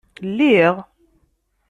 Lliɣ?